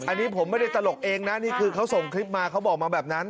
อันนี้ผมไม่ได้ตลกเองนะนี่คือเขาส่งคลิปมาเขาบอกมาแบบนั้น